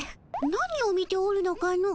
何を見ておるのかの。